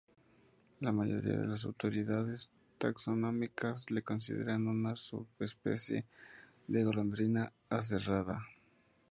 La mayoría de las autoridades taxonómicas le consideran una subespecie de golondrina aserrada.